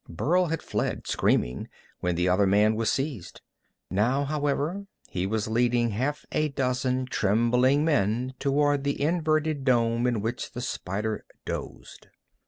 Burl had fled, screaming, when the other man was seized. Now, however, he was leading half a dozen trembling men toward the inverted dome in which the spider dozed.